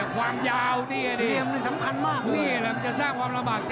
ความยาวนี่อ่ะดิมันสำคัญมากเลยนี่แหละมันจะสร้างความลำบาก